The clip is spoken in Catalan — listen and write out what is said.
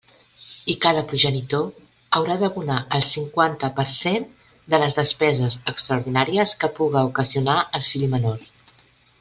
I cada progenitor haurà d'abonar el cinquanta per cent de les despeses extraordinàries que puga ocasionar el fill menor.